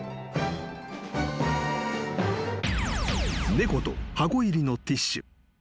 ［猫と箱入りのティッシュ］